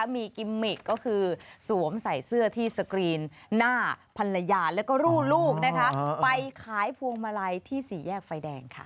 มีกิมมิกก็คือสวมใส่เสื้อที่สกรีนหน้าภรรยาแล้วก็รูลูกนะคะไปขายพวงมาลัยที่สี่แยกไฟแดงค่ะ